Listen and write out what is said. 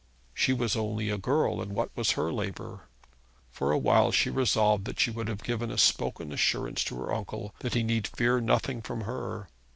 She was only a girl, and what was her labour? For a while she resolved that she would give a spoken assurance to her uncle that he need fear nothing from her.